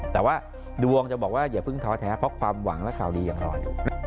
แต่ว่าดวงจะบอกว่าอย่าเพิ่งท้อแท้เพราะความหวังและข่าวดีอย่างน้อย